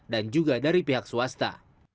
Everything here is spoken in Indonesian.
dan juga dari pihak swasta